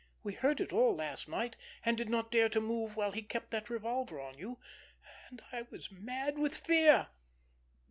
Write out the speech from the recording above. We heard it all last night, and did not dare to move while he kept that revolver on you, and I was mad with fear."